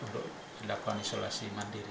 untuk dilakukan isolasi mandiri